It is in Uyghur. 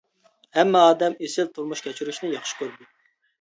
ھەممە ئادەم ئېسىل تۇرمۇش كەچۈرۈشنى ياخشى كۆرىدۇ.